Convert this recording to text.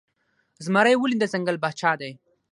زمری ولې د ځنګل پاچا دی؟